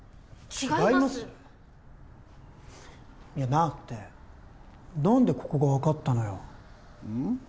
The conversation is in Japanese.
違いますなあって何でここが分かったのようん？